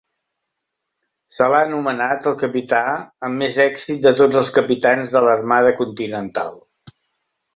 Se l'ha anomenat "el capità amb més d'èxit de tots els capitans de l'Armada Continental".